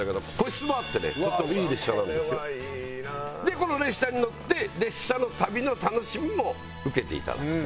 この列車に乗って列車の旅の楽しみも受けていただくという。